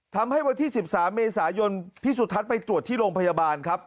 ทำให้วันที่๑๓เมษายนพี่สุทัศน์ไปตรวจที่โรงพยาบาลครับ